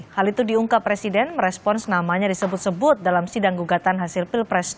hal itu diungkap presiden merespons namanya disebut sebut dalam sidang gugatan hasil pilpres dua ribu sembilan